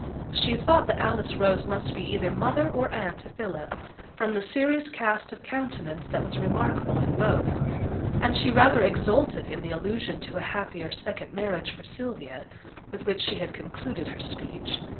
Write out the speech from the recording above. She thought that Alice Rose must be either mother or aunt to Philip, from the serious cast of countenance that was remarkable in both; and she rather exulted in the allusion to a happier second marriage for Sylvia, with which she had concluded her speech.